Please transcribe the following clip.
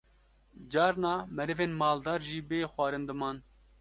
Carna merivên maldar jî bê xwarin diman